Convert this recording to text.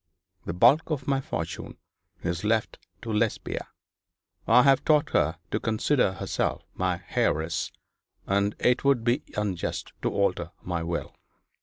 The bulk of my fortune is left to Lesbia. I have taught her to consider herself my heiress; and it would be unjust to alter my will.'